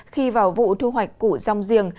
khi vào vụ thu hoạch củ rong giềng